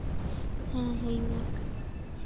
হ্যাঁ, hey, Mac.